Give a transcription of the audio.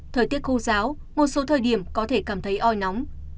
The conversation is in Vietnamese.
thời tiết khô giáo một số thời điểm có thể cảm thấy oi nóng